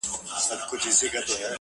په مسجد او په مندر کي را ايثار دی,